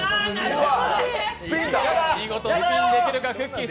見事スピンできるか、くっきー！